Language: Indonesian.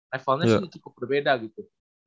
levelnya sih cukup berbeda gitu